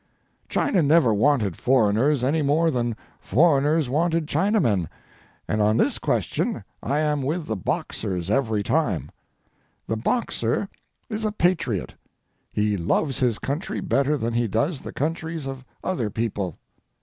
China never wanted foreigners any more than foreigners wanted Chinamen, and on this question I am with the Boxers every time. The Boxer is a patriot. He loves his country better than he does the countries of other people.